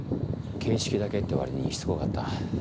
形式だけって割にしつこかった。